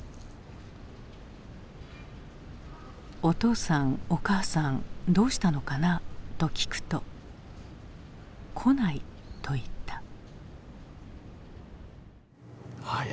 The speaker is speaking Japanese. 「お父さんお母さんどうしたのかな？」と聞くと「来ない」と言った。